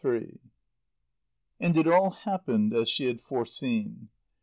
III And it all happened as she had foreseen.